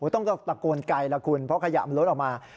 ต้องตะโกนไกลล่ะคุณเพราะขยะมันลดออกมา